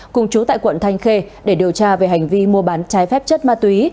cùng chú tại quận thanh khê để điều tra về hành vi mua bán trái phép chất ma túy